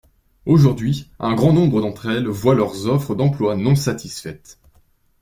Aujourd’hui, un grand nombre d’entre elles voient leurs offres d’emploi non satisfaites.